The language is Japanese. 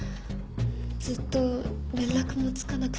ずっと連絡もつかなくて。